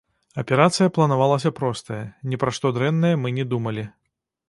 Аперацыя планавалася простая, ні пра што дрэннае мы не думалі.